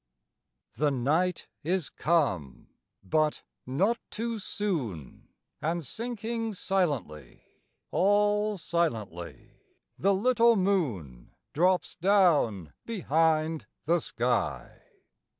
The night is come, but not too soon; And sinking silently, All silently, the little moon Drops down behind the sky.